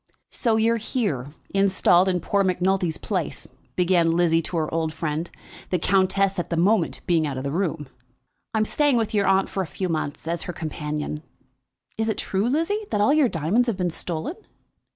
"So you're here, installed in poor Macnulty's place," began Lizzie to her old friend, the countess at the moment being out of the room. "I am staying with your aunt for a few months, as her companion. Is it true, Lizzie, that all your diamonds have been stolen?"